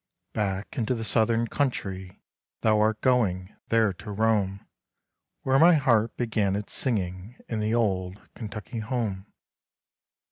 Back into the Southern country, Thou art going there to roam, Where my heart began its singing In the old Kentucky home.